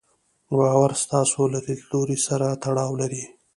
باور ستاسې له ليدلوري سره تړاو لري.